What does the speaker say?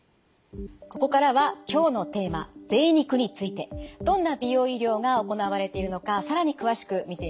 ここからは今日のテーマぜい肉についてどんな美容医療が行われているのか更に詳しく見ていきます。